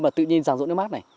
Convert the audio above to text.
mà tự nhiên ràng rỗ nước mắt này